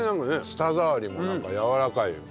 舌触りもなんかやわらかいよ。